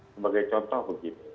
sebagai contoh begini